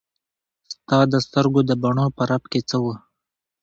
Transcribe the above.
ستا د سترګو د بڼو په رپ کې څه وو.